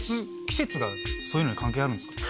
季節がそういうのに関係あるんですか？